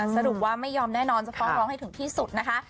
สรุปว่าไม่ยอมแน่นอนจะฟ้องร้องให้ถึงที่สุดนะคะ